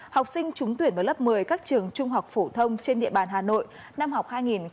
học sinh trúng tuyển vào lớp một mươi các trường trung học phổ thông trên địa bàn hà nội năm học hai nghìn hai mươi hai nghìn hai mươi một